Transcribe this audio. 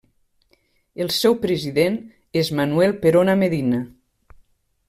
El seu president és Manuel Perona Medina.